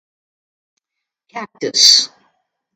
Cactus